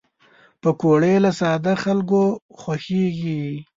پکورې له ساده خلکو خوښېږي